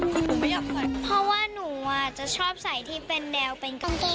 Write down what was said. หนูไม่อยากใส่เพราะว่าหนูอ่ะจะชอบใส่ที่เป็นแดวเป็นกลางเกง